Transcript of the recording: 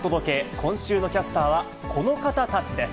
今週のキャスターはこの方たちです。